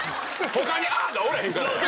他に「ハッ！」がおらへんからや。